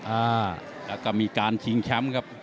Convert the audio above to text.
อ่าแล้วก็มีการชิงแชมป์ครับ